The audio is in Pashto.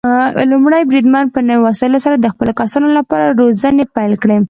لومړی بریدمن په نوي وسايلو سره د خپلو کسانو لپاره روزنې پيل کړي.